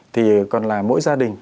thì còn là mỗi gia đình